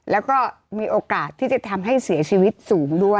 แล้วก็มีโอกาสที่จะทำให้เสียชีวิตสูงด้วย